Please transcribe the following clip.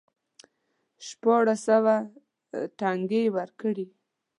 شپاړس سوه ټنګې یې ورکړې.